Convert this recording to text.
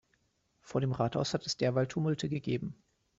Vor dem Rathaus hat es derweil Tumulte gegeben.